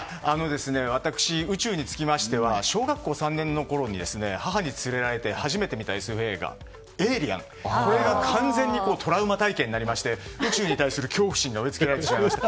私、宇宙につきましては小学校３年のころに母に連れられて初めて見たＳＦ映画「エイリアン」が完全にトラウマ体験になりまして宇宙に対する恐怖心が植えつけられてしまいました。